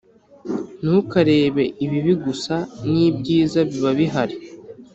ntukarebe ibibi gusa ni byiza biba bihari